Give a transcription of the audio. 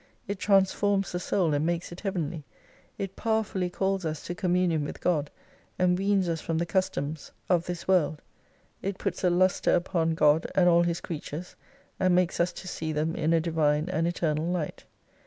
It transforms the Soul and makes it Heavenly, it powerfully calls us to communion with God, and weans us from the customs of this 205 world. It puts a lustre upon God and all His creatures and makes us to see them in a Divine and Eternal Light.